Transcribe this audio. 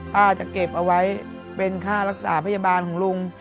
ป้าจะเก็บเอาไว้เป็นค่ารักษาพยาบาลของลุง